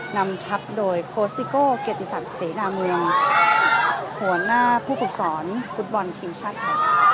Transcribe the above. นำทับโดยโค้ซิโก้เกียรติศักดิ์เสนาเมืองหัวหน้าผู้ฝึกสอนฟุตบอลทีมชาติไทย